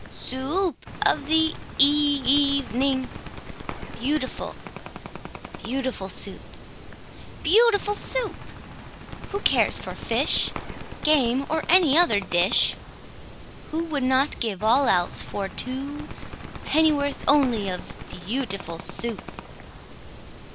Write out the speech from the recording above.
Soo oop of the e e evening, Beautiful, beautiful Soup! Beautiful Soup! Who cares for fish, Game, or any other dish? Who would not give all else for two Pennyworth only of Beautiful Soup?